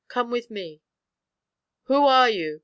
Come with me." "Who are you?"